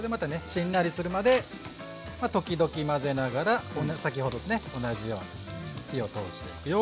しんなりするまで時々混ぜながら先ほどとね同じように火を通していくよ。